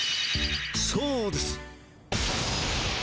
そうです！